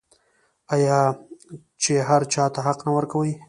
آیا چې هر چا ته حق نه ورکوي؟